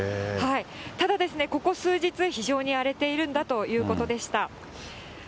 ただ、ここ数日、非常に荒れているんだということでした。